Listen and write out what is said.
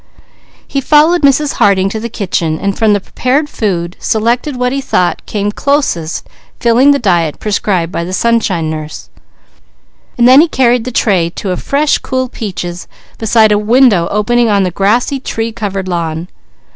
He followed Mrs. Harding to the kitchen and from the prepared food selected what he thought came closest filling the diet prescribed by the Sunshine Nurse, and then he carried the tray to a fresh, cool Peaches beside a window opening on a grassy, tree covered lawn.